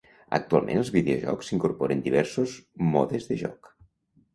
Actualment els videojocs incorporen diversos modes de joc.